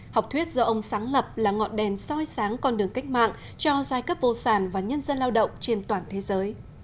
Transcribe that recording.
học thuyết do ông sáng lập là ngọn đèn soi sáng con đường cách mạng cho giai cấp vô sản và nhân dân lao động trên toàn thế giới